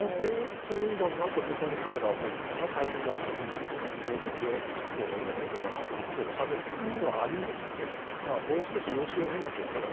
そうなった途端彼らは、もうこれは大変だということになって矛を収めるということはあり得るのでもう少し様子を見なければいけない。